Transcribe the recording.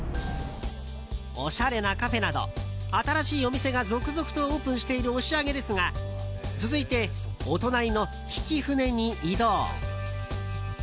おしゃれなカフェなど新しいお店が続々とオープンしている押上ですが続いてお隣の曳舟に移動。